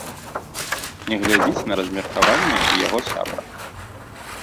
Не глядзіць на размеркаванне і яго сябра.